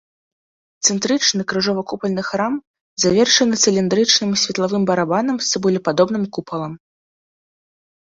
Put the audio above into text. Цэнтрычны крыжова-купальны храм, завершаны цыліндрычным светлавым барабанам з цыбулепадобным купалам.